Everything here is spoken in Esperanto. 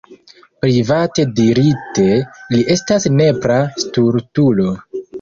Private dirite, li estas nepra stultulo.